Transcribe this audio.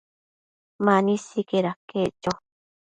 Mani sicaid aquec cho